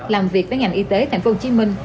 làm việc với ngành y tế thành phố hồ chí minh